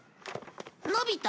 のび太？